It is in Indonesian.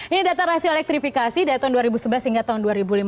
ini data rasio elektrifikasi dari tahun dua ribu sebelas hingga tahun dua ribu lima belas